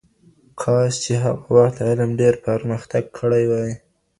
کاش چی هغه وخت علم ډېر پرمختګ کړی وای.